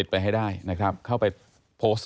ไปให้ได้นะครับเข้าไปโพสต์